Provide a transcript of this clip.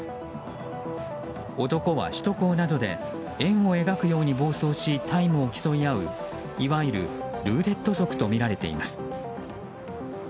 男は首都高などで円を描くように暴走しタイムを競い合ういわゆるルーレット族とみられています。